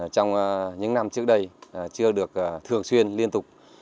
trong những năm trước đây chưa được thường xuyên liên tục